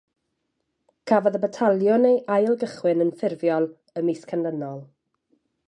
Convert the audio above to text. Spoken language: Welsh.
Cafodd y Bataliwn ei ailgychwyn yn ffurfiol y mis canlynol.